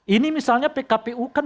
ini misalnya pkpu kan